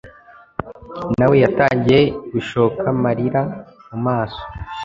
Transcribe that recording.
nawe yatangiye gushoka marira mumaso